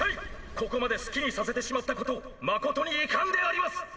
ここまで好きにさせてしまった事誠に遺憾であります！